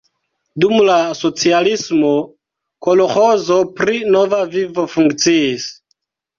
Dum la socialismo kolĥozo pri Nova Vivo funkciis.